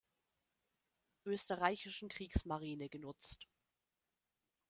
Österreichischen Kriegsmarine genutzt.